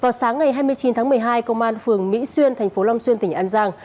vào sáng ngày hai mươi chín tháng một mươi hai công an phường mỹ xuyên thành phố long xuyên tỉnh an giang